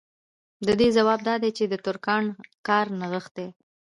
د دې ځواب دا دی چې د ترکاڼ کار نغښتی